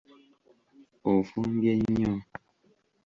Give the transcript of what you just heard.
Ofumbye nnyo!